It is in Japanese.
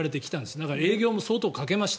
だから、営業も相当かけました。